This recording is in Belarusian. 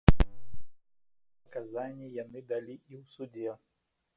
Такія ж паказанні яны далі і ў судзе.